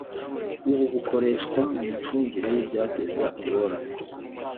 ubu bukoreshwa mu micungire y ibyateza ingorane